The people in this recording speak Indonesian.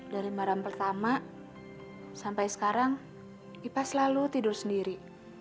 dari barang pertama sampai sekarang ipa selalu tidur sendiri